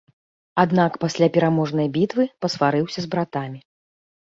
Аднак пасля пераможнай бітвы пасварыўся з братамі.